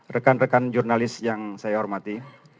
rekan rekan jurnalis yang saya hormati